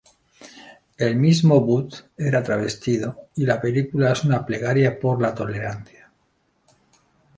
El mismo Wood era travestido y la película es una plegaria por la tolerancia.